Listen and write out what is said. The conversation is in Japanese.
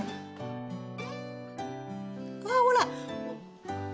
ああほら！